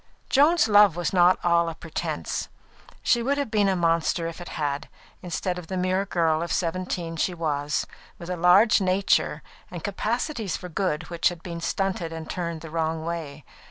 Joan's love was not all a pretence. She would have been a monster if it had been, instead of the mere girl of seventeen she was, with a large nature, and capacities for good which had been stunted and turned the wrong way.